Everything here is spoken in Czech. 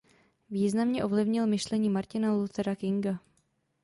Významně ovlivnil myšlení Martina Luthera Kinga.